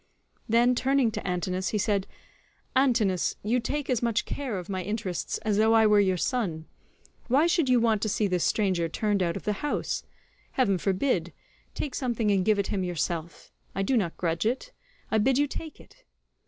Then turning to Antinous he said, "Antinous, you take as much care of my interests as though I were your son. Why should you want to see this stranger turned out of the house? Heaven forbid; take something and give it him yourself; I do not grudge it; I bid you take it.